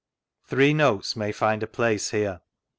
Three notes may find a place here.